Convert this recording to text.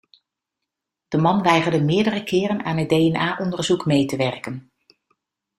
De man weigerde meerdere keren aan het DNA-onderzoek mee te werken.